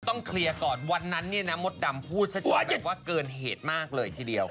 ต้องเคลียร์ก่อนวันนั้นเนี่ยนะมดดำพูดชัดอย่างว่าเกินเหตุมากเลยทีเดียว